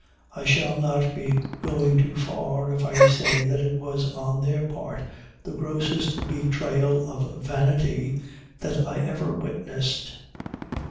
I shall not be going too far if I say that it was on their part the grossest betrayal of vanity that I ever witnessed.